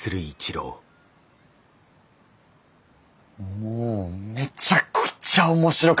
もうめちゃくちゃ面白かったです。